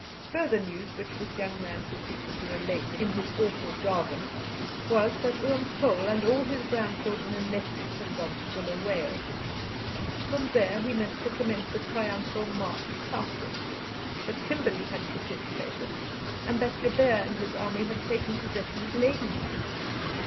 Further news which this young man proceeded to relate in his awful jargon was that Oom Paul and all his grandchildren and nephews had gone to Bulawayo; from there he meant to commence a triumphal march southward; that Kimberley had capitulated; and that Joubert and his army had taken possession of Ladysmith.